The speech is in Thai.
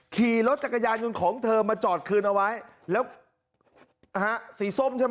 ขี่รถจักรยานยนต์ของเธอมาจอดคืนเอาไว้แล้วนะฮะสีส้มใช่ไหม